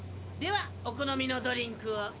ではお好みのドリンクを。